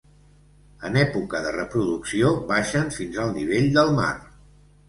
En època de reproducció baixen fins al nivell del mar.